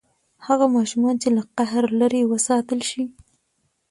هغه ماشومان چې له قهر لرې وساتل شي.